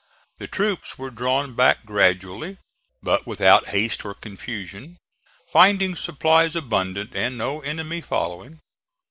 The troops were drawn back gradually, but without haste or confusion, finding supplies abundant and no enemy following.